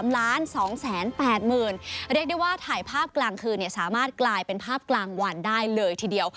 เรียกได้ว่าถ่ายภาพกลางคืนสามารถกลายเป็นภาพกลางวันได้เลยทีเดียว